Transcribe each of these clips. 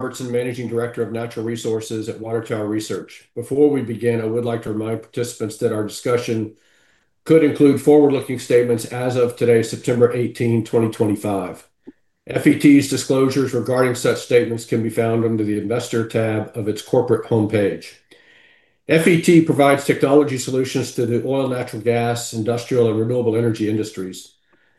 Parts and Managing Director of Natural Resources at Water Tower Research. Before we begin, I would like to remind participants that our discussion could include forward-looking statements as of today, September 18, 2025. FET's disclosures regarding such statements can be found under the Investor tab of its corporate homepage. FET provides technology solutions to the oil, natural gas, industrial, and renewable energy industries.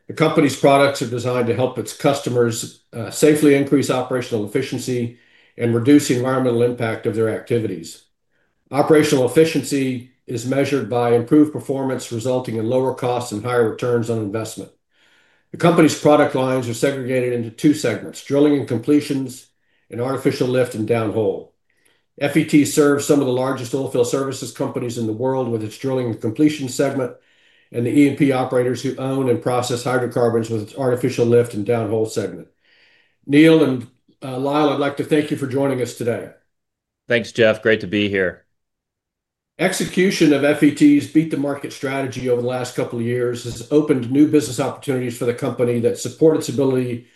The company's products are designed to help its customers safely increase operational efficiency and reduce the environmental impact of their activities. Operational efficiency is measured by improved performance, resulting in lower costs and higher returns on investment. The company's product lines are segregated into two segments: drilling and completions, and artificial lift and downhole. FET serves some of the largest oilfield services companies in the world with its drilling and completions segment and the E&P operators who own and process hydrocarbons with its artificial lift and downhole segment. Neal and Lyle, I'd like to thank you for joining us today. Thanks, Jeff. Great to be here. Execution of FET's beat-the-market strategy over the last couple of years has opened new business opportunities for the company that support its ability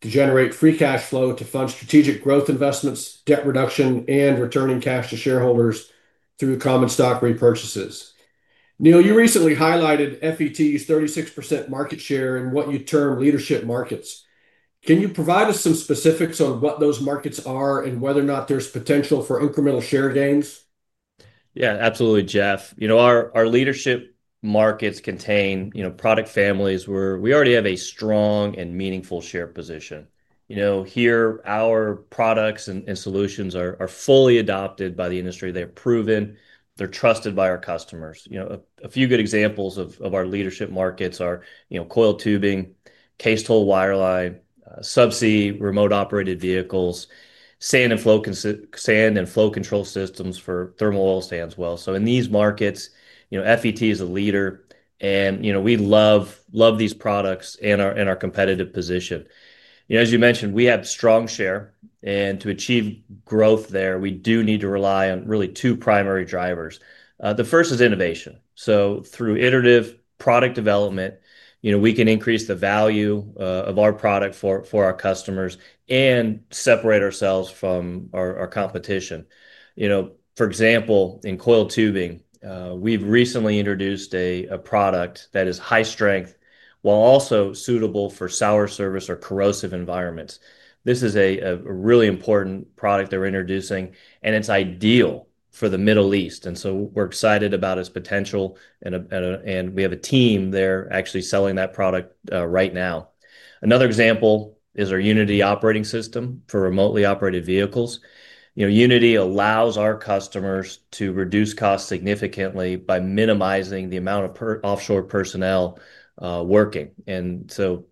to generate free cash flow to fund strategic growth investments, debt reduction, and returning cash to shareholders through common stock repurchases. Neal, you recently highlighted FET's 36% market share in what you term leadership markets. Can you provide us some specifics on what those markets are and whether or not there's potential for incremental share gains? Yeah, absolutely, Jeff. You know, our leadership markets contain, you know, product families where we already have a strong and meaningful share position. Here, our products and solutions are fully adopted by the industry. They're proven. They're trusted by our customers. A few good examples of our leadership markets are, you know, coil tubing, cased hole wireline, subsea, remotely operated vehicles, sand and flow control systems for thermal oil sands. In these markets, you know, FET is a leader, and you know, we love these products and our competitive position. You know, as you mentioned, we have strong share, and to achieve growth there, we do need to rely on really two primary drivers. The first is innovation. Through iterative product development, you know, we can increase the value of our product for our customers and separate ourselves from our competition. For example, in coil tubing, we've recently introduced a product that is high strength while also suitable for sour service or corrosive environments. This is a really important product they're introducing, and it's ideal for the Middle East. We're excited about its potential, and we have a team there actually selling that product right now. Another example is our Unity operating system for remotely operated vehicles. Unity allows our customers to reduce costs significantly by minimizing the amount of offshore personnel working.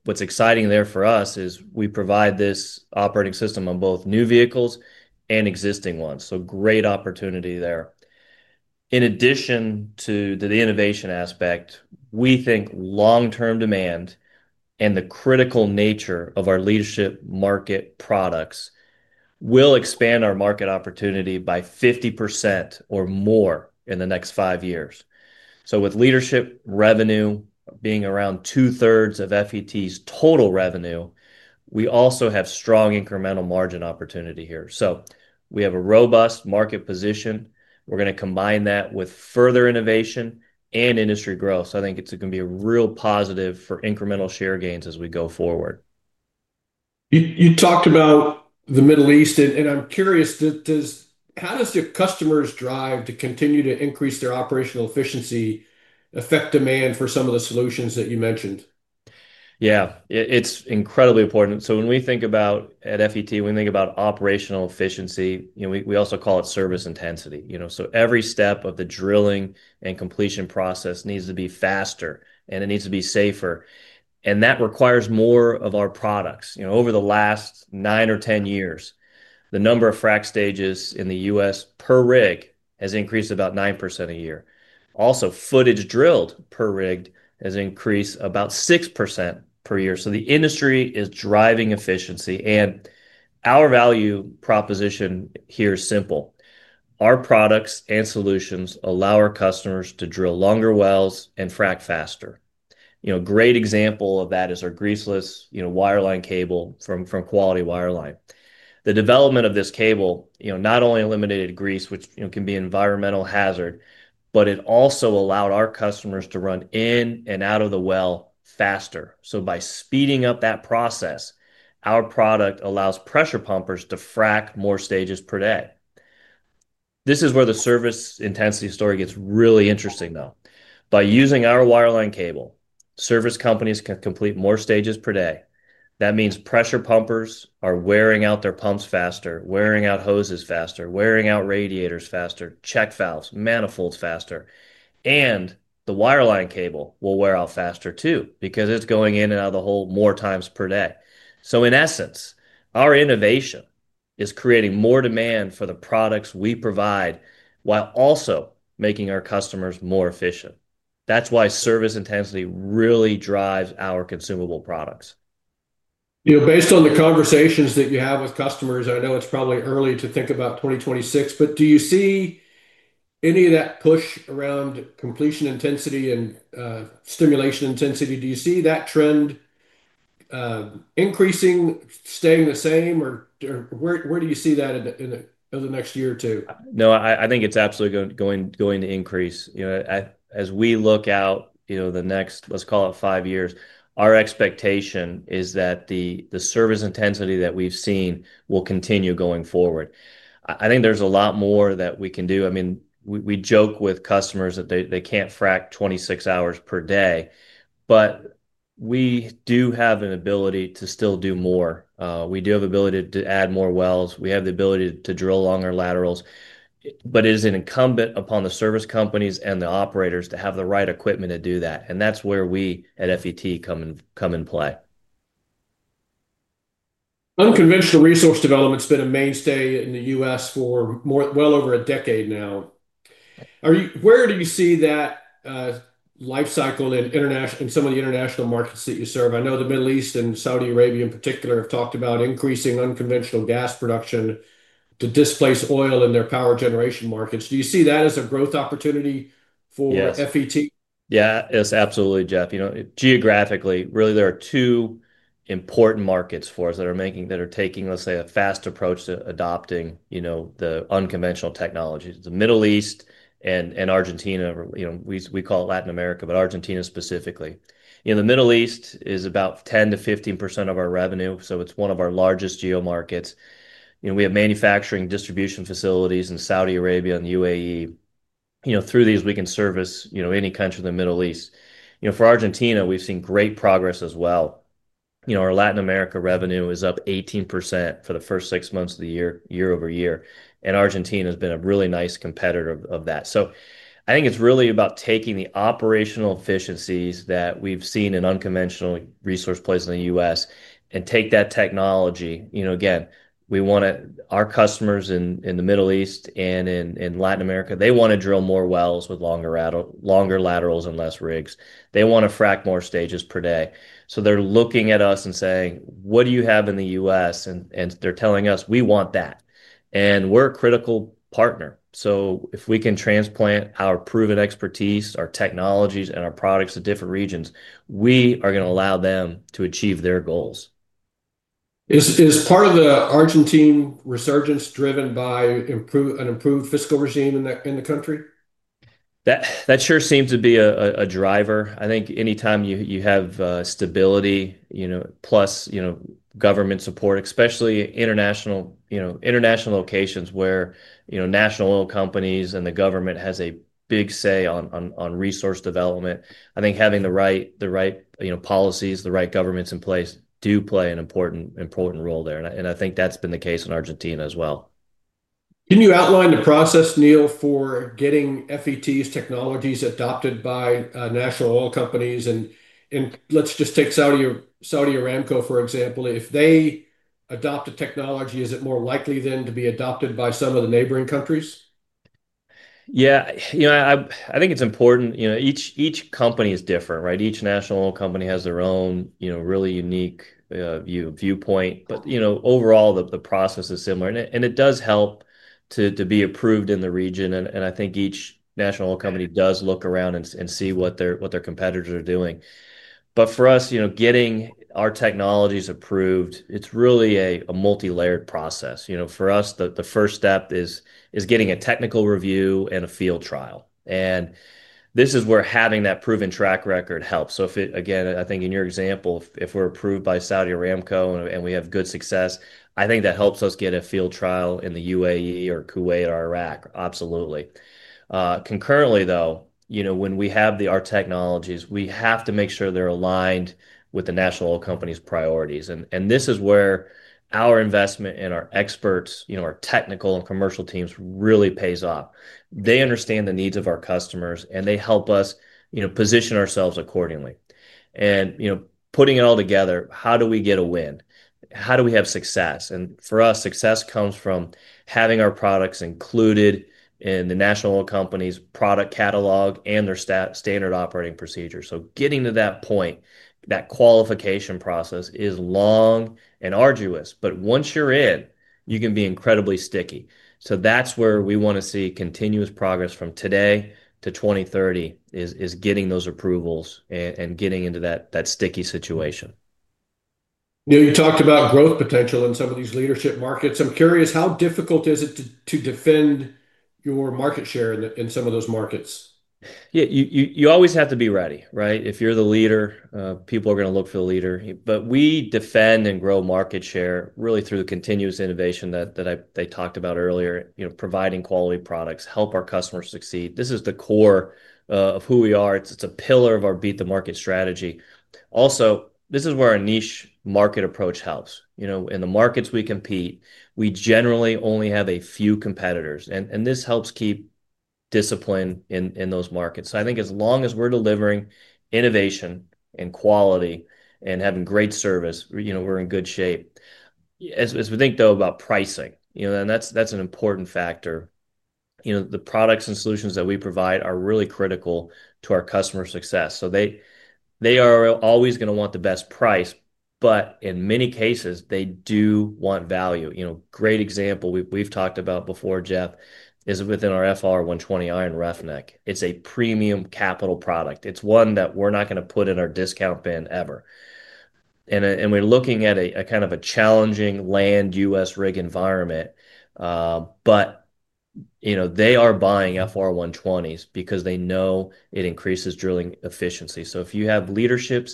What's exciting there for us is we provide this operating system on both new vehicles and existing ones. Great opportunity there. In addition to the innovation aspect, we think long-term demand and the critical nature of our leadership market products will expand our market opportunity by 50% or more in the next five years. With leadership revenue being around two-thirds of FET's total revenue, we also have strong incremental margin opportunity here. We have a robust market position. We're going to combine that with further innovation and industry growth. I think it's going to be a real positive for incremental share gains as we go forward. You talked about the Middle East, and I'm curious, how does your customers' drive to continue to increase their operational efficiency affect demand for some of the solutions that you mentioned? Yeah, it's incredibly important. When we think about, at FET, we think about operational efficiency. We also call it service intensity. Every step of the drilling and completion process needs to be faster, and it needs to be safer. That requires more of our products. Over the last nine or ten years, the number of frac stages in the U.S. per rig has increased about 9% a year. Also, footage drilled per rig has increased about 6% per year. The industry is driving efficiency, and our value proposition here is simple. Our products and solutions allow our customers to drill longer wells and frac faster. A great example of that is our greaseless wireline cable from Quality Wireline. The development of this cable not only eliminated grease, which can be an environmental hazard, but it also allowed our customers to run in and out of the well faster. By speeding up that process, our product allows pressure pumpers to frac more stages per day. This is where the service intensity story gets really interesting, though. By using our wireline cable, service companies can complete more stages per day. That means pressure pumpers are wearing out their pumps faster, wearing out hoses faster, wearing out radiators faster, check valves, manifolds faster, and the wireline cable will wear out faster too, because it's going in and out of the hole more times per day. In essence, our innovation is creating more demand for the products we provide while also making our customers more efficient. That's why service intensity really drives our consumable products. You know, based on the conversations that you have with customers, I know it's probably early to think about 2026, but do you see any of that push around completion intensity and stimulation intensity? Do you see that trend increasing, staying the same, or where do you see that in the next year or two? No, I think it's absolutely going to increase. As we look out, let's call it five years, our expectation is that the service intensity that we've seen will continue going forward. I think there's a lot more that we can do. We joke with customers that they can't frac 26 hours per day, but we do have an ability to still do more. We do have the ability to add more wells. We have the ability to drill longer laterals, but it is incumbent upon the service companies and the operators to have the right equipment to do that. That's where we at FET come and play. Unconventional resource development has been a mainstay in the U.S. for well over a decade now. Where do you see that lifecycle in some of the international markets that you serve? I know the Middle East and Saudi Arabia in particular have talked about increasing unconventional gas production to displace oil in their power generation markets. Do you see that as a growth opportunity for FET? Yes, absolutely, Jeff. Geographically, really, there are two important markets for us that are taking a fast approach to adopting the unconventional technology: the Middle East and Argentina. We call it Latin America, but Argentina specifically. The Middle East is about 10% to 15% of our revenue, so it's one of our largest geo markets. We have manufacturing distribution facilities in Saudi Arabia and the UAE. Through these, we can service any country in the Middle East. For Argentina, we've seen great progress as well. Our Latin America revenue is up 18% for the first six months of the year, year over year, and Argentina has been a really nice contributor to that. I think it's really about taking the operational efficiencies that we've seen in unconventional resource places in the U.S. and taking that technology. Our customers in the Middle East and in Latin America want to drill more wells with longer laterals and less rigs. They want to frac more stages per day. They're looking at us and saying, what do you have in the U.S.? They're telling us, we want that. We're a critical partner. If we can transplant our proven expertise, our technologies, and our products to different regions, we are going to allow them to achieve their goals. Is part of the Argentine resurgence driven by an improved fiscal regime in the country? That sure seems to be a driver. I think anytime you have stability, plus government support, especially international locations where national oil companies and the government have a big say on resource development, having the right policies, the right governments in place do play an important role there. I think that's been the case in Argentina as well. Can you outline the process, Neal, for getting FET's technologies adopted by national oil companies? Let's just take Saudi Aramco, for example. If they adopt a technology, is it more likely then to be adopted by some of the neighboring countries? Yeah, I think it's important. Each company is different, right? Each national oil company has their own really unique viewpoint. Overall, the process is similar, and it does help to be approved in the region. I think each national oil company does look around and see what their competitors are doing. For us, getting our technologies approved is really a multi-layered process. The first step is getting a technical review and a field trial. This is where having that proven track record helps. In your example, if we're approved by Saudi Aramco and we have good success, that helps us get a field trial in the UAE or Kuwait or Iraq, absolutely. Concurrently, when we have our technologies, we have to make sure they're aligned with the national oil company's priorities. This is where our investment and our experts, our technical and commercial teams, really pay off. They understand the needs of our customers, and they help us position ourselves accordingly. Putting it all together, how do we get a win? How do we have success? For us, success comes from having our products included in the national oil company's product catalog and their standard operating procedures. Getting to that point, that qualification process is long and arduous, but once you're in, you can be incredibly sticky. That's where we want to see continuous progress from today to 2030, getting those approvals and getting into that sticky situation. You talked about growth potential in some of these leadership markets. I'm curious, how difficult is it to defend your market share in some of those markets? Yeah, you always have to be ready, right? If you're the leader, people are going to look for the leader. We defend and grow market share really through the continuous innovation that I talked about earlier, providing quality products to help our customers succeed. This is the core of who we are. It's a pillar of our beat-the-market strategy. This is where a niche market approach helps. In the markets we compete, we generally only have a few competitors, and this helps keep discipline in those markets. I think as long as we're delivering innovation and quality and having great service, we're in good shape. As we think about pricing, and that's an important factor, the products and solutions that we provide are really critical to our customer success. They are always going to want the best price, but in many cases, they do want value. A great example we've talked about before, Jeff, is within our FR-120 iron roughneck. It's a premium capital product. It's one that we're not going to put in our discount bin ever. We're looking at a kind of a challenging land U.S. rig environment, but they are buying FR-120s because they know it increases drilling efficiency. If you have leadership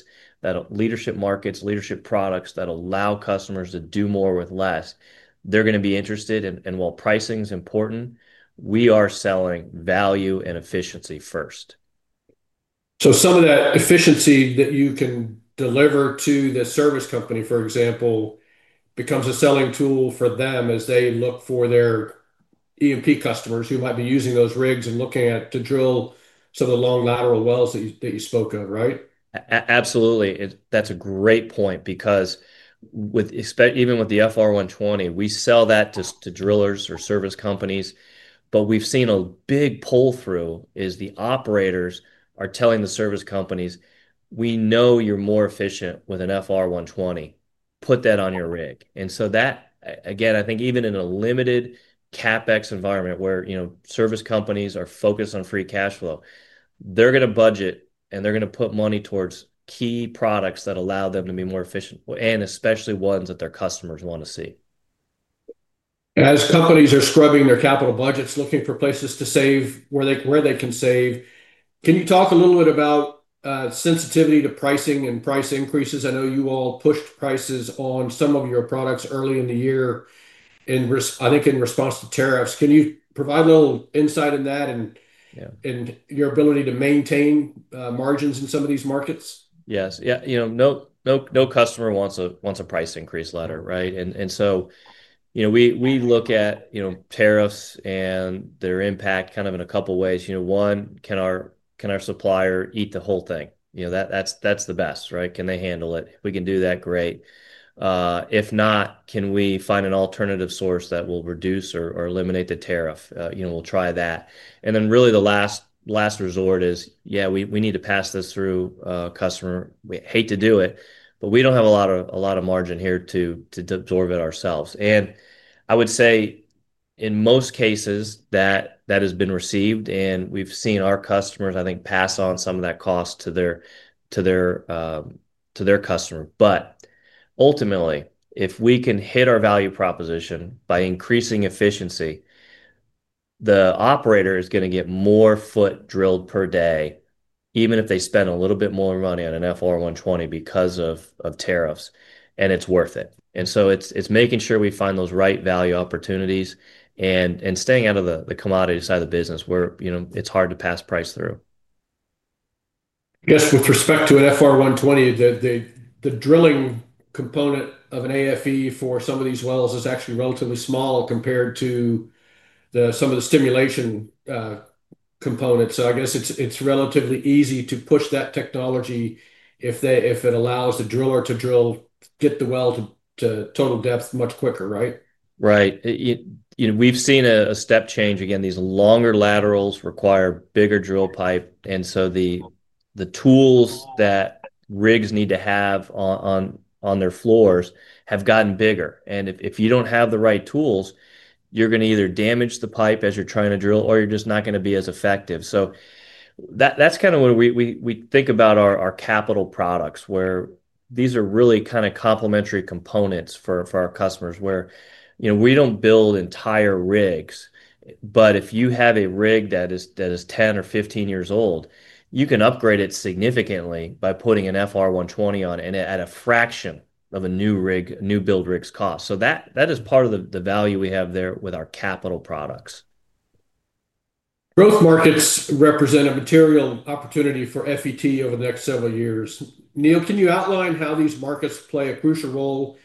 markets, leadership products that allow customers to do more with less, they're going to be interested. While pricing is important, we are selling value and efficiency first. That efficiency that you can deliver to the service company, for example, becomes a selling tool for them as they look for their E&P customers who might be using those rigs and looking to drill some of the long lateral wells that you spoke of, right? Absolutely. That's a great point because even with the FR-120 iron roughneck, we sell that to drillers or service companies. We've seen a big pull-through as the operators are telling the service companies, we know you're more efficient with an FR-120 iron roughneck. Put that on your rig. I think even in a limited CapEx environment where, you know, service companies are focused on free cash flow, they're going to budget and they're going to put money towards key products that allow them to be more efficient, especially ones that their customers want to see. As companies are scrubbing their capital budgets, looking for places to save where they can save, can you talk a little bit about sensitivity to pricing and price increases? I know you all pushed prices on some of your products early in the year, I think in response to tariffs. Can you provide a little insight into that and your ability to maintain margins in some of these markets? No customer wants a price increase letter, right? We look at tariffs and their impact in a couple of ways. One, can our supplier eat the whole thing? That's the best, right? Can they handle it? If we can do that, great. If not, can we find an alternative source that will reduce or eliminate the tariff? We'll try that. Really, the last resort is we need to pass this through a customer. We hate to do it, but we don't have a lot of margin here to absorb it ourselves. I would say in most cases that has been received, and we've seen our customers, I think, pass on some of that cost to their customer. Ultimately, if we can hit our value proposition by increasing efficiency, the operator is going to get more foot drilled per day, even if they spend a little bit more money on an FR-120 iron roughneck because of tariffs, and it's worth it. It's making sure we find those right value opportunities and staying out of the commodity side of the business where it's hard to pass price through. Yes, with respect to an FR-120 iron roughneck, the drilling component of an AFE for some of these wells is actually relatively small compared to some of the stimulation components. I guess it's relatively easy to push that technology if it allows the driller to drill, get the well to total depth much quicker, right? Right. You know, we've seen a step change. These longer laterals require bigger drill pipe, and the tools that rigs need to have on their floors have gotten bigger. If you don't have the right tools, you're going to either damage the pipe as you're trying to drill, or you're just not going to be as effective. That's kind of what we think about our capital products, where these are really kind of complementary components for our customers. We don't build entire rigs, but if you have a rig that is 10 or 15 years old, you can upgrade it significantly by putting an FR-120 on and at a fraction of a new build rig's cost. That is part of the value we have there with our capital products. Growth markets represent a material opportunity for FET over the next several years. Neal, can you outline how these markets play a crucial role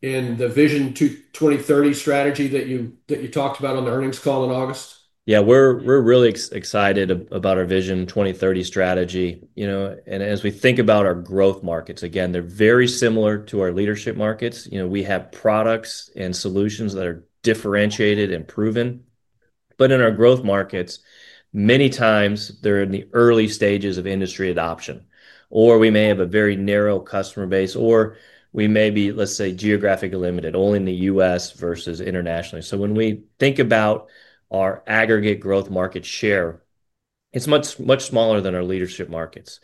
in the Vision 2030 strategy that you talked about on the earnings call in August? Yeah, we're really excited about our Vision 2030 strategy. You know, as we think about our growth markets, again, they're very similar to our leadership markets. We have products and solutions that are differentiated and proven. In our growth markets, many times they're in the early stages of industry adoption, or we may have a very narrow customer base, or we may be, let's say, geographically limited, only in the U.S. versus internationally. When we think about our aggregate growth market share, it's much, much smaller than our leadership markets.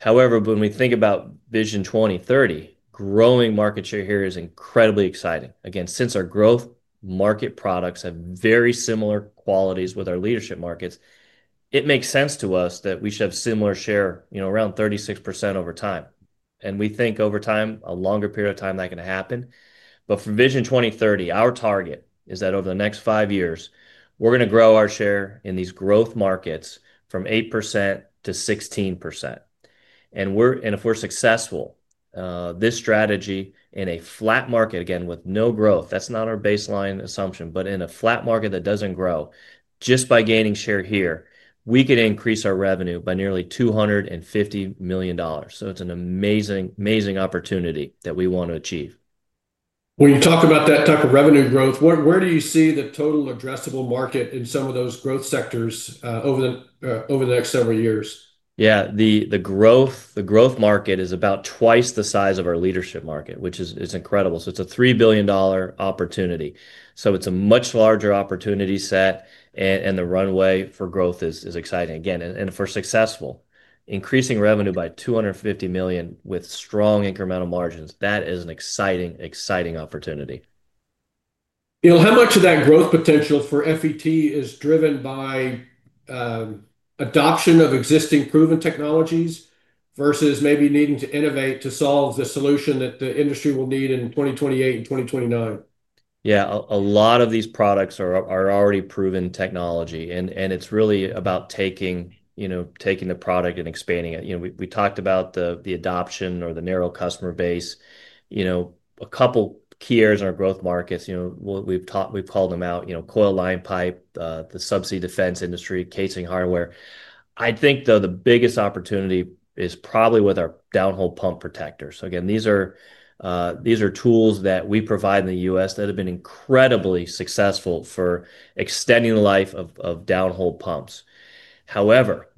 However, when we think about Vision 2030, growing market share here is incredibly exciting. Again, since our growth market products have very similar qualities with our leadership markets, it makes sense to us that we should have similar share, you know, around 36% over time. We think over time, a longer period of time, that can happen. For Vision 2030, our target is that over the next five years, we're going to grow our share in these growth markets from 8% to 16%. If we're successful, this strategy in a flat market, again, with no growth, that's not our baseline assumption, but in a flat market that doesn't grow, just by gaining share here, we could increase our revenue by nearly $250 million. It's an amazing, amazing opportunity that we want to achieve. When you talk about that type of revenue growth, where do you see the total addressable market in some of those growth sectors over the next several years? Yeah, the growth market is about twice the size of our leadership market, which is incredible. It's a $3 billion opportunity. It's a much larger opportunity set, and the runway for growth is exciting. Again, if we're successful, increasing revenue by $250 million with strong incremental margins, that is an exciting, exciting opportunity. Neal, how much of that growth potential for FET is driven by adoption of existing proven technologies versus maybe needing to innovate to solve the solution that the industry will need in 2028 and 2029? Yeah, a lot of these products are already proven technology, and it's really about taking the product and expanding it. We talked about the adoption or the narrow customer base. A couple of key areas in our growth markets, we've called them out, coil line pipe, the subsea defense industry, casing hardware. I think, though, the biggest opportunity is probably with our downhole pump protectors. These are tools that we provide in the U.S. that have been incredibly successful for extending the life of downhole pumps. However,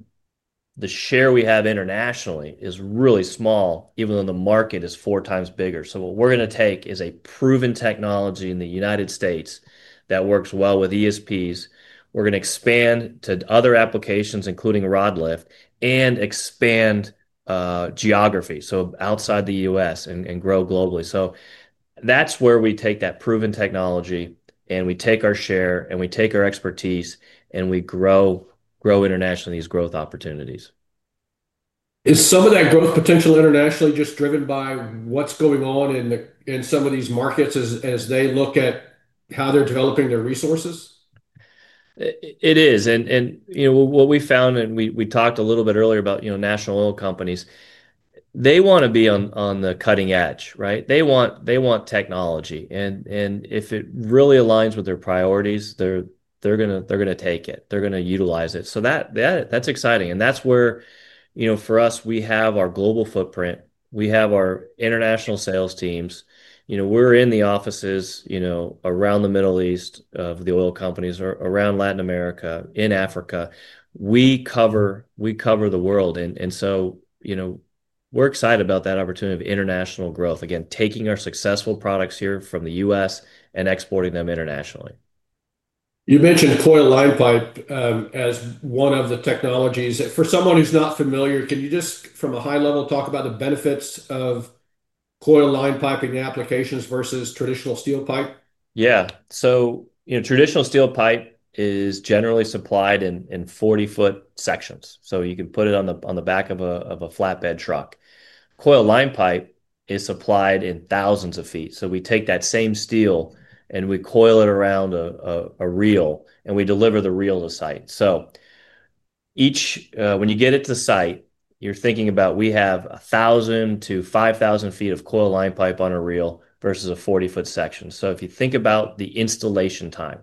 the share we have internationally is really small, even though the market is four times bigger. What we're going to take is a proven technology in the United States that works well with ESPs. We're going to expand to other applications, including rod lift, and expand geography, outside the U.S. and grow globally. That's where we take that proven technology, and we take our share, and we take our expertise, and we grow internationally in these growth opportunities. Is some of that growth potential internationally just driven by what's going on in some of these markets as they look at how they're developing their resources? It is. You know what we found, and we talked a little bit earlier about national oil companies, they want to be on the cutting edge, right? They want technology. If it really aligns with their priorities, they're going to take it. They're going to utilize it. That's exciting. That's where, for us, we have our global footprint. We have our international sales teams. We're in the offices around the Middle East of the oil companies, around Latin America, in Africa. We cover the world. We're excited about that opportunity of international growth, again taking our successful products here from the U.S. and exporting them internationally. You mentioned coil line pipe as one of the technologies. For someone who's not familiar, can you just, from a high level, talk about the benefits of coil line pipe in the applications versus traditional steel pipe? Yeah, traditional steel pipe is generally supplied in 40-foot sections, so you can put it on the back of a flatbed truck. Coil line pipe is supplied in thousands of feet. We take that same steel and we coil it around a reel and deliver the reel to site. When you get it to site, you're thinking about having 1,000 to 5,000 feet of coil line pipe on a reel versus a 40-foot section. If you think about the installation time,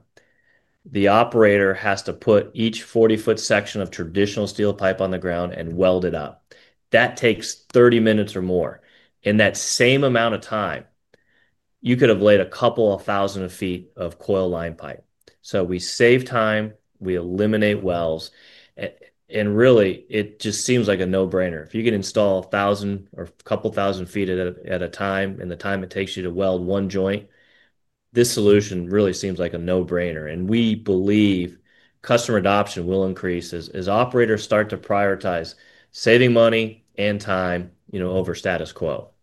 the operator has to put each 40-foot section of traditional steel pipe on the ground and weld it up. That takes 30 minutes or more. In that same amount of time, you could have laid a couple of thousand feet of coil line pipe. We save time, we eliminate welds, and it just seems like a no-brainer. If you can install a thousand or a couple thousand feet at a time in the time it takes you to weld one joint, this solution really seems like a no-brainer. We believe customer adoption will increase as operators start to prioritize saving money and time over status quo.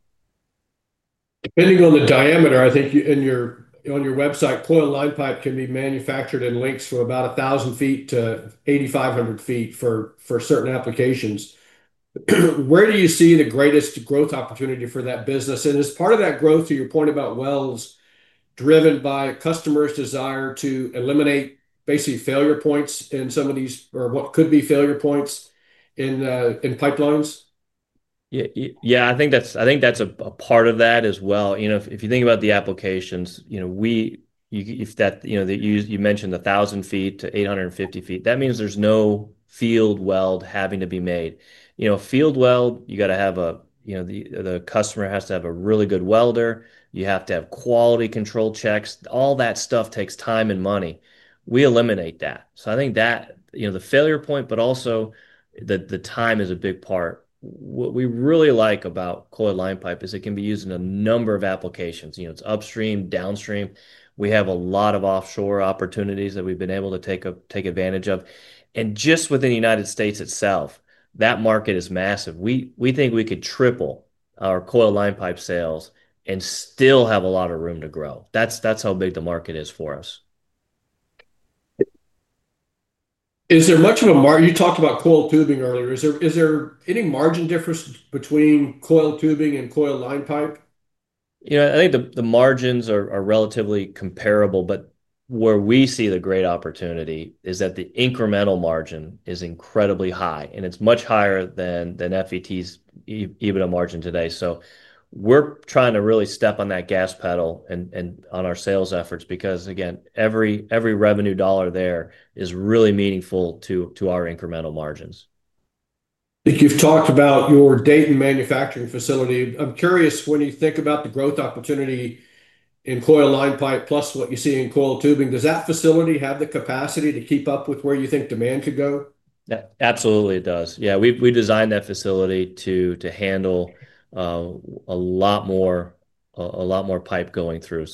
Depending on the diameter, I think on your website, coil line pipe can be manufactured in links from about 1,000 feet to 8,500 feet for certain applications. Where do you see the greatest growth opportunity for that business? Is part of that growth, to your point about wells, driven by customers' desire to eliminate basically failure points in some of these, or what could be failure points in pipelines? Yeah, I think that's a part of that as well. If you think about the applications, you mentioned 1,000 feet to 850 feet, that means there's no field weld having to be made. A field weld, you have to have a really good welder. You have to have quality control checks. All that stuff takes time and money. We eliminate that. I think that the failure point, but also the time, is a big part. What we really like about coil line pipe is it can be used in a number of applications. It's upstream, downstream. We have a lot of offshore opportunities that we've been able to take advantage of. Just within the U.S. itself, that market is massive. We think we could triple our coil line pipe sales and still have a lot of room to grow. That's how big the market is for us. Is there much of a margin, you talked about coil tubing earlier, is there any margin difference between coil tubing and coil line pipe? I think the margins are relatively comparable, but where we see the great opportunity is that the incremental margin is incredibly high, and it's much higher than FET's EBITDA margin today. We're trying to really step on that gas pedal and on our sales efforts because, again, every revenue dollar there is really meaningful to our incremental margins. You've talked about your Dayton manufacturing facility. I'm curious, when you think about the growth opportunity in coil line pipe plus what you see in coil tubing, does that facility have the capacity to keep up with where you think demand could go? Absolutely, it does. Yeah, we designed that facility to handle a lot more pipe going through.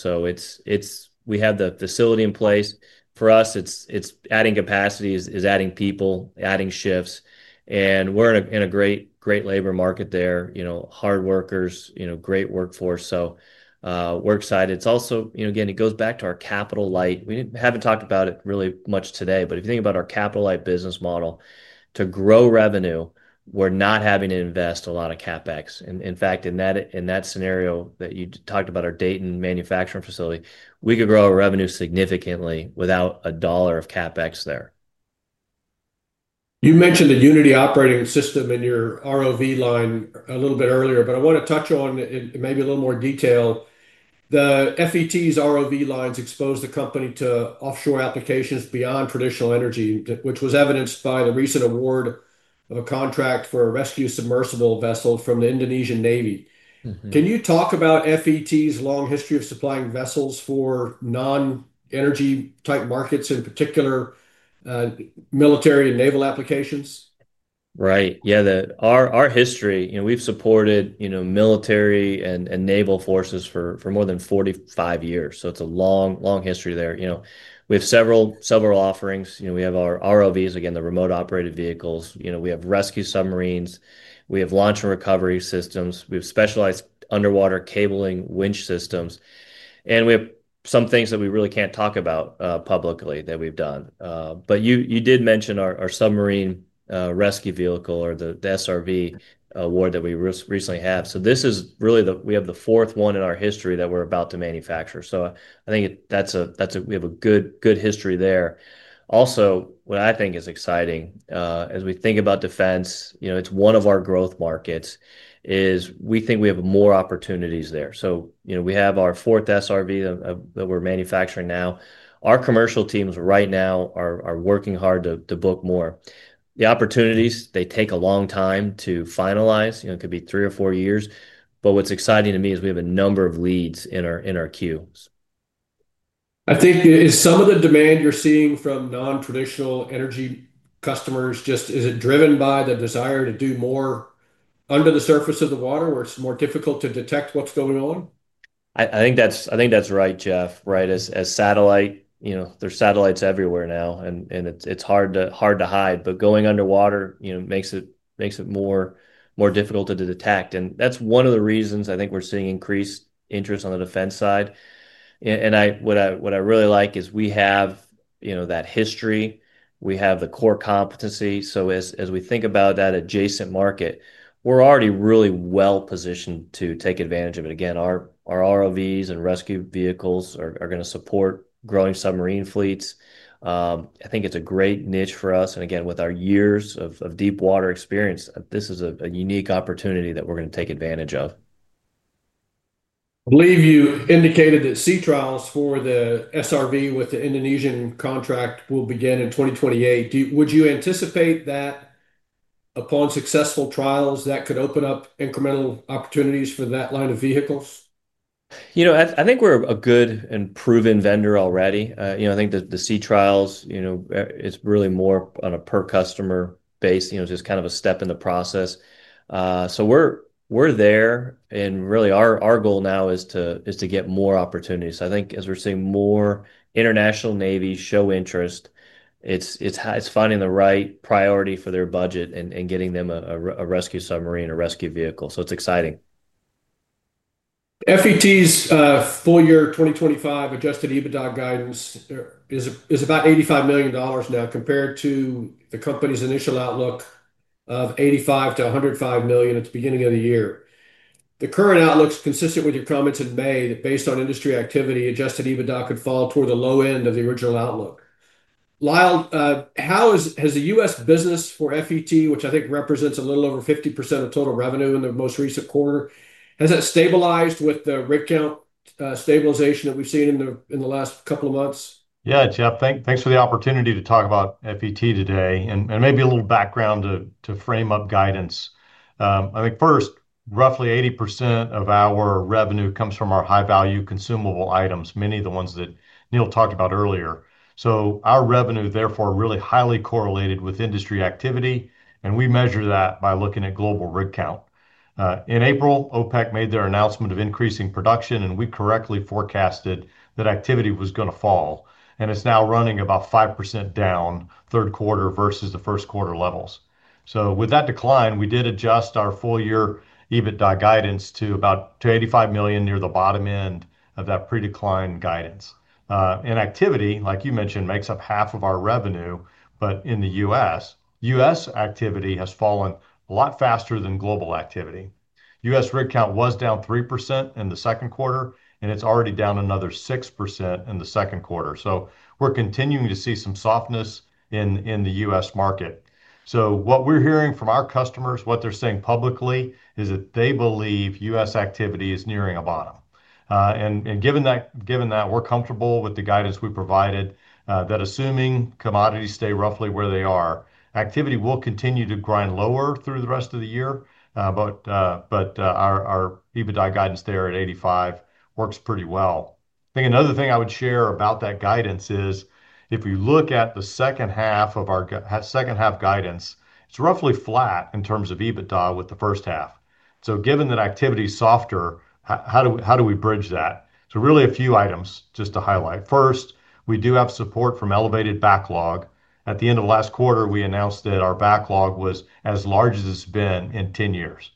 We have the facility in place. For us, it's adding capacity, adding people, adding shifts, and we're in a great labor market there. Hard workers, great workforce. We're excited. It also goes back to our capital-light business model. We haven't talked about it really much today, but if you think about our capital-light business model, to grow revenue, we're not having to invest a lot of CapEx. In fact, in that scenario that you talked about, our Dayton manufacturing facility, we could grow our revenue significantly without a dollar of CapEx there. You mentioned the Unity operating system in your ROV line a little bit earlier, but I want to touch on it in maybe a little more detail. FET's ROV lines expose the company to offshore applications beyond traditional energy, which was evidenced by the recent award of a contract for a rescue submersible vessel from the Indonesian Navy. Can you talk about FET's long history of supplying vessels for non-energy type markets, in particular military and naval applications? Right, yeah, our history, and we've supported, you know, military and naval forces for more than 45 years. It's a long, long history there. We have several, several offerings. We have our ROVs, again, the remotely operated vehicles. We have rescue submarines. We have launch and recovery systems. We have specialized underwater cabling winch systems. We have some things that we really can't talk about publicly that we've done. You did mention our submarine rescue vehicle, or the SRV award that we recently have. This is really the fourth one in our history that we're about to manufacture. I think that's a, we have a good, good history there. Also, what I think is exciting, as we think about defense, it's one of our growth markets, is we think we have more opportunities there. We have our fourth SRV that we're manufacturing now. Our commercial teams right now are working hard to book more. The opportunities, they take a long time to finalize. It could be three or four years. What's exciting to me is we have a number of leads in our queue. I think is some of the demand you're seeing from non-traditional energy customers, just is it driven by the desire to do more under the surface of the water where it's more difficult to detect what's going on? I think that's right, Jeff. As satellite, you know, there's satellites everywhere now, and it's hard to hide, but going underwater makes it more difficult to detect. That's one of the reasons I think we're seeing increased interest on the defense side. What I really like is we have that history. We have the core competency. As we think about that adjacent market, we're already really well positioned to take advantage of it. Our ROVs and rescue vehicles are going to support growing submarine fleets. I think it's a great niche for us. With our years of deep water experience, this is a unique opportunity that we're going to take advantage of. I believe you indicated that sea trials for the SRV with the Indonesian contract will begin in 2028. Would you anticipate that upon successful trials that could open up incremental opportunities for that line of vehicles? I think we're a good and proven vendor already. I think the sea trials, it's really more on a per-customer base. It's just kind of a step in the process. We're there, and really our goal now is to get more opportunities. I think as we're seeing more international navies show interest, it's finding the right priority for their budget and getting them a rescue submarine or rescue vehicle. It's exciting. FET's full-year 2025 adjusted EBITDA guidance is about $85 million now, compared to the company's initial outlook of $85 million to $105 million at the beginning of the year. The current outlook is consistent with your comments in May that, based on industry activity, adjusted EBITDA could fall toward the low end of the original outlook. Lyle, how has the U.S. business for FET, which I think represents a little over 50% of total revenue in the most recent quarter, has it stabilized with the rig count stabilization that we've seen in the last couple of months? Yeah, Jeff, thanks for the opportunity to talk about Forum Energy Technologies today and maybe a little background to frame up guidance. I think first, roughly 80% of our revenue comes from our high-value consumable items, many of the ones that Neal talked about earlier. Our revenue therefore is really highly correlated with industry activity, and we measure that by looking at global rig count. In April, OPEC made their announcement of increasing production, and we correctly forecasted that activity was going to fall. It's now running about 5% down third quarter versus the first quarter levels. With that decline, we did adjust our full-year EBITDA guidance to about $85 million, near the bottom end of that pre-decline guidance. Activity, like you mentioned, makes up half of our revenue, but in the U.S., U.S. activity has fallen a lot faster than global activity. U.S. rig count was down 3% in the second quarter, and it's already down another 6% in the second quarter. We're continuing to see some softness in the U.S. market. What we're hearing from our customers, what they're saying publicly, is that they believe U.S. activity is nearing a bottom. Given that, we're comfortable with the guidance we provided, that assuming commodities stay roughly where they are, activity will continue to grind lower through the rest of the year. Our EBITDA guidance there at $85 million works pretty well. I think another thing I would share about that guidance is if you look at the second half of our second half guidance, it's roughly flat in terms of EBITDA with the first half. Given that activity is softer, how do we bridge that? A few items just to highlight. First, we do have support from elevated backlog. At the end of the last quarter, we announced that our backlog was as large as it's been in 10 years.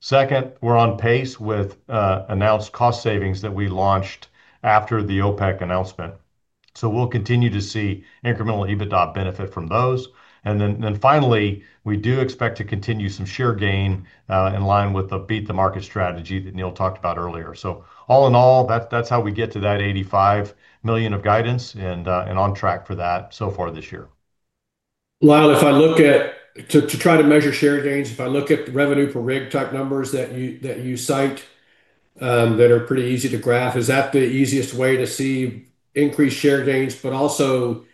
Second, we're on pace with announced cost-saving initiatives that we launched after the OPEC announcement. We'll continue to see incremental EBITDA benefit from those. Finally, we do expect to continue some share gain in line with the beat-the-market strategy that Neal talked about earlier. All in all, that's how we get to that $85 million of guidance and on track for that so far this year. Lyle, if I look at, to try to measure share gains, if I look at the revenue per rig type numbers that you cite that are pretty easy to graph, is that the easiest way to see increased share gains, but also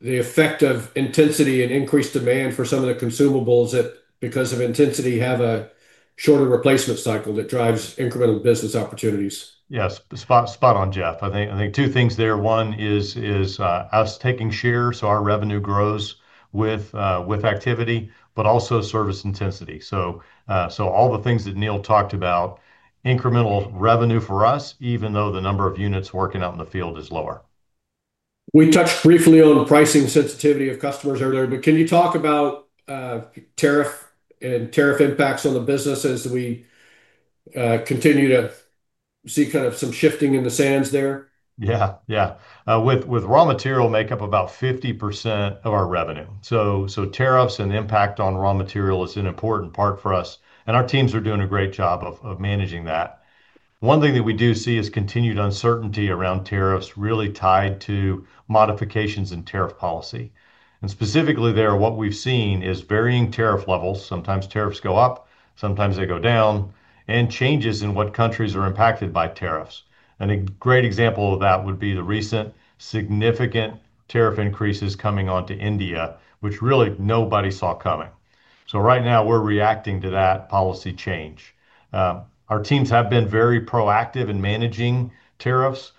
the effect of intensity and increased demand for some of the consumables that, because of intensity, have a shorter replacement cycle that drives incremental business opportunities? Yes, spot on, Jeff. I think two things there. One is us taking share, so our revenue grows with activity, but also service intensity. All the things that Neal talked about, incremental revenue for us, even though the number of units working out in the field is lower. We touched briefly on pricing sensitivity of customers earlier, but can you talk about tariff and tariff impacts on the business as we continue to see kind of some shifting in the sands there? Yeah, yeah. With raw material make up about 50% of our revenue, tariffs and the impact on raw material is an important part for us, and our teams are doing a great job of managing that. One thing that we do see is continued uncertainty around tariffs really tied to modifications in tariff policy. Specifically there, what we've seen is varying tariff levels. Sometimes tariffs go up, sometimes they go down, and changes in what countries are impacted by tariffs. A great example of that would be the recent significant tariff increases coming onto India, which really nobody saw coming. Right now, we're reacting to that policy change. Our teams have been very proactive in managing tariffs.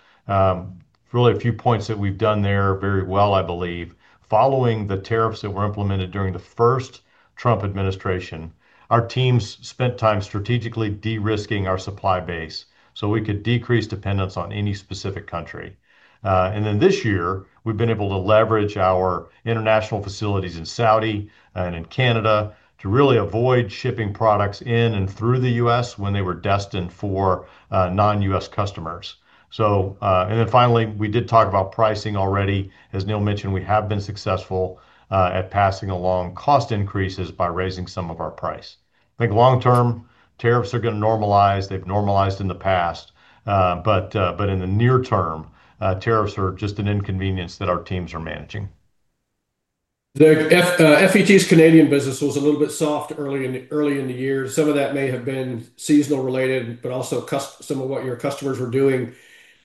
Really, a few points that we've done there very well, I believe. Following the tariffs that were implemented during the first Trump administration, our teams spent time strategically de-risking our supply base so we could decrease dependence on any specific country. This year, we've been able to leverage our international facilities in Saudi and in Canada to really avoid shipping products in and through the U.S. when they were destined for non-U.S. customers. Finally, we did talk about pricing already. As Neal mentioned, we have been successful at passing along cost increases by raising some of our price. I think long-term, tariffs are going to normalize. They've normalized in the past, but in the near term, tariffs are just an inconvenience that our teams are managing. FET's Canadian business was a little bit soft early in the year. Some of that may have been seasonal related, but also some of what your customers were doing.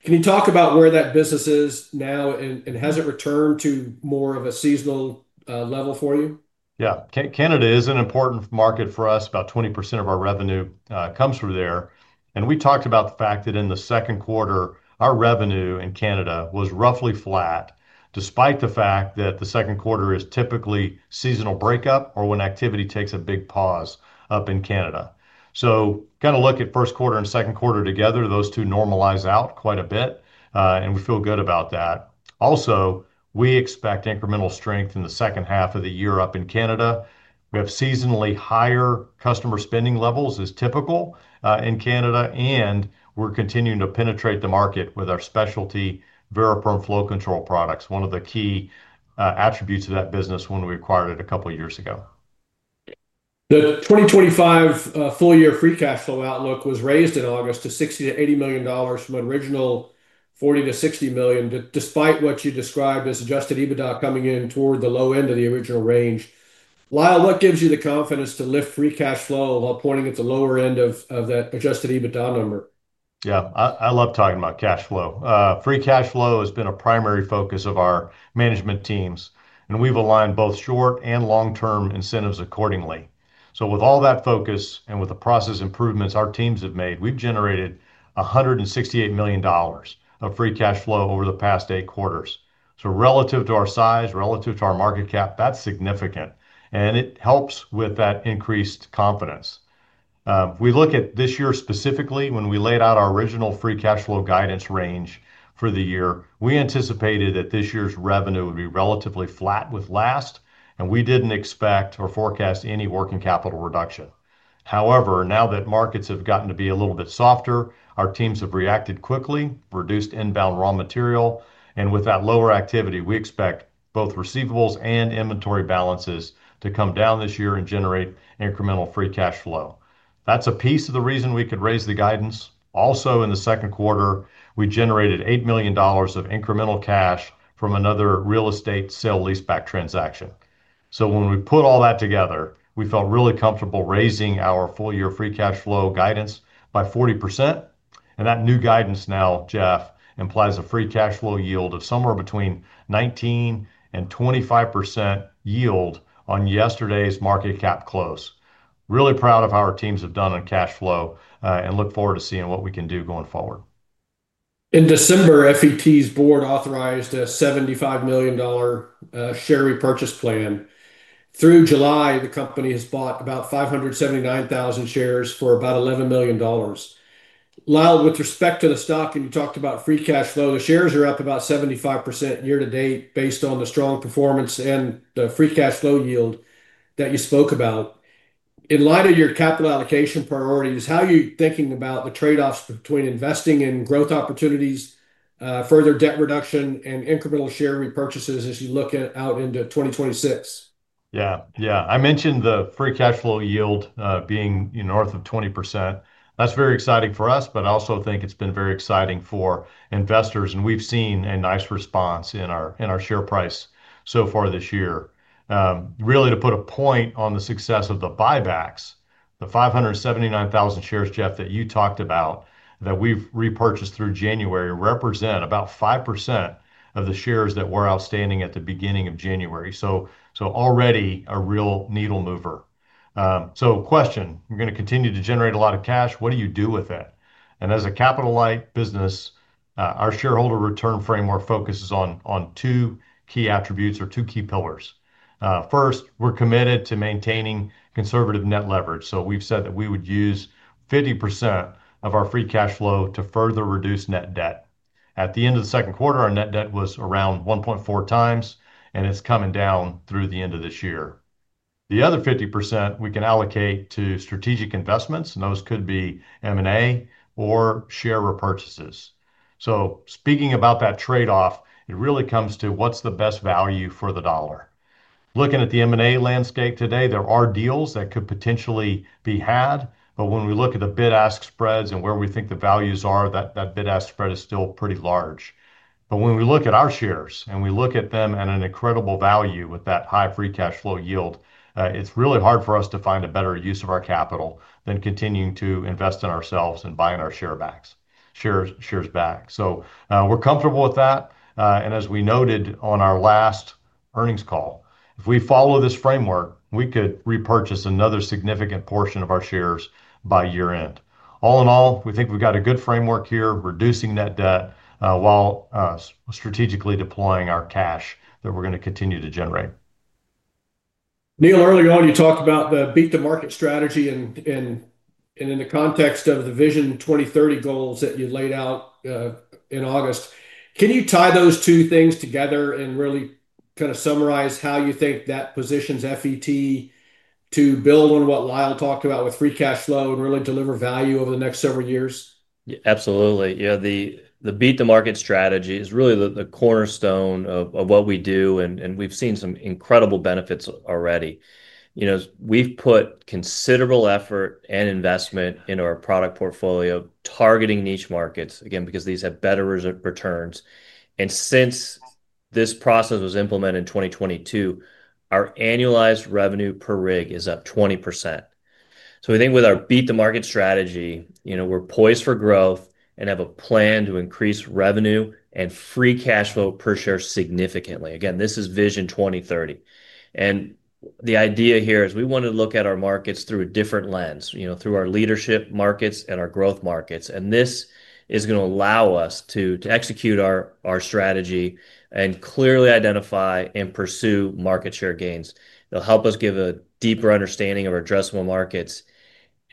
Can you talk about where that business is now and has it returned to more of a seasonal level for you? Yeah, Canada is an important market for us. About 20% of our revenue comes from there. We talked about the fact that in the second quarter, our revenue in Canada was roughly flat, despite the fact that the second quarter is typically seasonal breakup or when activity takes a big pause up in Canada. You kind of look at first quarter and second quarter together. Those two normalize out quite a bit, and we feel good about that. Also, we expect incremental strength in the second half of the year up in Canada. We have seasonally higher customer spending levels as typical in Canada, and we're continuing to penetrate the market with our specialty Veraperm flow control products, one of the key attributes of that business when we acquired it a couple of years ago. The 2025 full-year free cash flow outlook was raised in August to $60 to $80 million from an original $40 to $60 million, despite what you described as adjusted EBITDA coming in toward the low end of the original range. Lyle, what gives you the confidence to lift free cash flow while pointing at the lower end of that adjusted EBITDA number? Yeah, I love talking about cash flow. Free cash flow has been a primary focus of our management teams, and we've aligned both short and long-term incentives accordingly. With all that focus and with the process improvements our teams have made, we've generated $168 million of free cash flow over the past eight quarters. Relative to our size, relative to our market cap, that's significant, and it helps with that increased confidence. We look at this year specifically. When we laid out our original free cash flow guidance range for the year, we anticipated that this year's revenue would be relatively flat with last, and we didn't expect or forecast any working capital reduction. However, now that markets have gotten to be a little bit softer, our teams have reacted quickly, reduced inbound raw material, and with that lower activity, we expect both receivables and inventory balances to come down this year and generate incremental free cash flow. That's a piece of the reason we could raise the guidance. Also, in the second quarter, we generated $8 million of incremental cash from another real estate sale-leaseback transaction. When we put all that together, we felt really comfortable raising our full-year free cash flow guidance by 40%. That new guidance now, Jeff, implies a free cash flow yield of somewhere between 19% and 25% yield on yesterday's market cap close. Really proud of how our teams have done on cash flow and look forward to seeing what we can do going forward. In December, Forum Energy Technologies' board authorized a $75 million share repurchase plan. Through July, the company has bought about 579,000 shares for about $11 million. Lyle, with respect to the stock and you talked about free cash flow, the shares are up about 75% year to date based on the strong performance and the free cash flow yield that you spoke about. In light of your capital allocation priorities, how are you thinking about the trade-offs between investing in growth opportunities, further debt reduction, and incremental share repurchases as you look out into 2026? Yeah, I mentioned the free cash flow yield being north of 20%. That's very exciting for us, but I also think it's been very exciting for investors, and we've seen a nice response in our share price so far this year. Really, to put a point on the success of the buybacks, the 579,000 shares, Jeff, that you talked about that we've repurchased through January represent about 5% of the shares that were outstanding at the beginning of January. Already a real needle mover. Question, you're going to continue to generate a lot of cash. What do you do with it? As a capital-light business, our shareholder return framework focuses on two key attributes or two key pillars. First, we're committed to maintaining conservative net leverage. We've said that we would use 50% of our free cash flow to further reduce net debt. At the end of the second quarter, our net debt was around 1.4 times, and it's coming down through the end of this year. The other 50% we can allocate to strategic investments, and those could be M&A or share repurchases. Speaking about that trade-off, it really comes to what's the best value for the dollar. Looking at the M&A landscape today, there are deals that could potentially be had, but when we look at the bid-ask spreads and where we think the values are, that bid-ask spread is still pretty large. When we look at our shares and we look at them at an incredible value with that high free cash flow yield, it's really hard for us to find a better use of our capital than continuing to invest in ourselves and buying our shares back. We're comfortable with that. As we noted on our last earnings call, if we follow this framework, we could repurchase another significant portion of our shares by year-end. All in all, we think we've got a good framework here, reducing net debt while strategically deploying our cash that we're going to continue to generate. Neal, early on you talked about the beat-to-market strategy and in the context of the Vision 2030 goals that you laid out in August. Can you tie those two things together and really kind of summarize how you think that positions FET to build on what Lyle talked about with free cash flow and really deliver value over the next several years? Absolutely. Yeah, the beat-to-market strategy is really the cornerstone of what we do, and we've seen some incredible benefits already. We've put considerable effort and investment into our product portfolio targeting niche markets, again, because these have better returns. Since this process was implemented in 2022, our annualized revenue per rig is up 20%. I think with our beat-to-market strategy, we're poised for growth and have a plan to increase revenue and free cash flow per share significantly. This is Vision 2030. The idea here is we want to look at our markets through a different lens, through our leadership markets and our growth markets. This is going to allow us to execute our strategy and clearly identify and pursue market share gains. It'll help us give a deeper understanding of our addressable markets.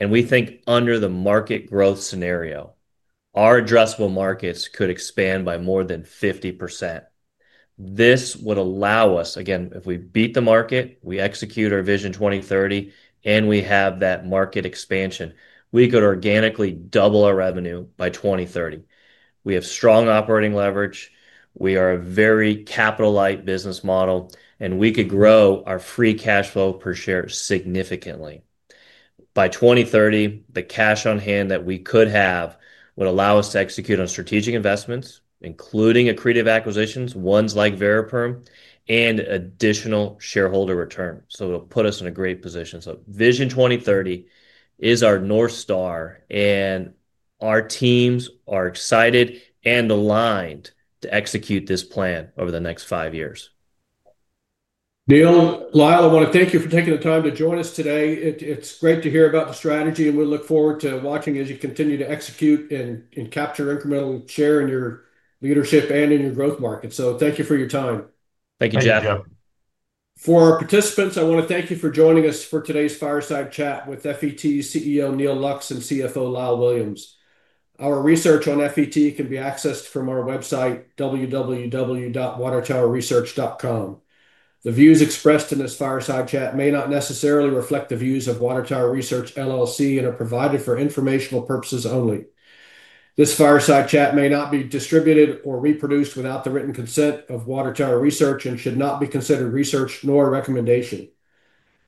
We think under the market growth scenario, our addressable markets could expand by more than 50%. This would allow us, if we beat the market, we execute our Vision 2030, and we have that market expansion, we could organically double our revenue by 2030. We have strong operating leverage. We are a very capital-light business model, and we could grow our free cash flow per share significantly. By 2030, the cash on hand that we could have would allow us to execute on strategic investments, including accretive acquisitions, ones like Veraperm, and additional shareholder returns. It'll put us in a great position. Vision 2030 is our North Star, and our teams are excited and aligned to execute this plan over the next five years. Neal, Lyle, I want to thank you for taking the time to join us today. It's great to hear about the strategy, and we look forward to watching as you continue to execute and capture incremental share in your leadership and in your growth markets. Thank you for your time. Thank you, Jeff. For our participants, I want to thank you for joining us for today's Fireside Chat with FET CEO Neal Lux and CFO Lyle Williams. Our research on FET can be accessed from our website www.watertowerresearch.com. The views expressed in this Fireside Chat may not necessarily reflect the views of Water Tower Research LLC and are provided for informational purposes only. This Fireside Chat may not be distributed or reproduced without the written consent of Water Tower Research and should not be considered research nor recommendation.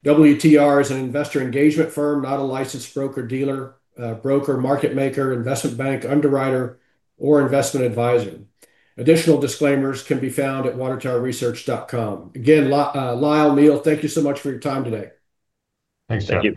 WTR is an investor engagement firm, not a licensed broker-dealer, broker, market-maker, investment bank, underwriter, or investment advisor. Additional disclaimers can be found at watertowerresearch.com. Again, Lyle, Neal, thank you so much for your time today. Thanks, Jeff.